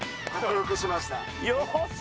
よし！